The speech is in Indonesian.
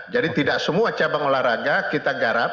jadi tidak semua cabang olahraga kita garap